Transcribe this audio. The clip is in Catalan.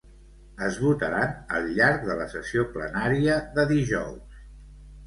Es votaran al llarg de la sessió plenària de dijous.